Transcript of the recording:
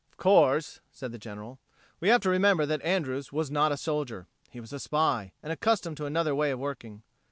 "Of course," said the General, "we have to remember that Andrews was not a soldier he was a spy, and accustomed to another way of working.